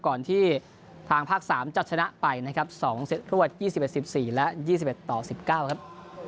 ก่อนที่ทางภาค๓จะชนะไปนะครับ๒เซตรวด๒๑๑๔และ๒๑ต่อ๑๙ครับ